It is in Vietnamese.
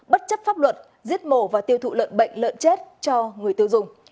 bất chấp pháp luật giết mổ và tiêu thụ lợn bệnh lợn chết cho người tiêu dùng